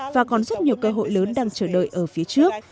và còn rất nhiều cơ hội lớn đang chờ đợi ở phía trước